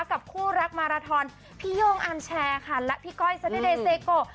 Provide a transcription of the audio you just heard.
กับคู่รักมาราทอนพี่โย่งอาร์มแชร์ค่ะและพี่ก้อยซาเดเซโก